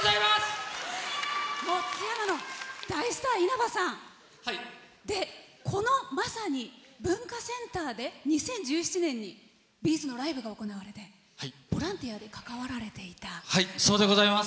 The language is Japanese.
津山の大スター、稲葉さんでこの、まさに文化センターで２０１７年にＢ’ｚのライブが行われてそうでございます。